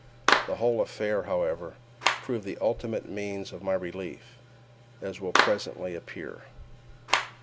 The whole affair, however, proved the ultimate means of my relief, as will presently appear.